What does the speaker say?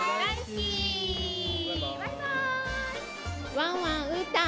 ワンワンうーたん。